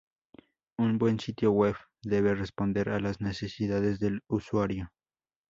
Un buen sitio Web debe responder a las necesidades del usuario.